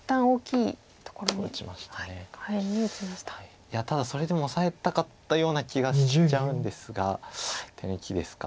いやただそれでもオサえたかったような気がしちゃうんですが手抜きですか。